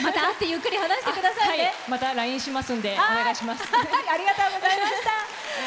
またＬＩＮＥしますんでお願いします。